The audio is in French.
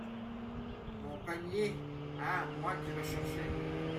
Mon panier, ah ! moi qui le cherchais !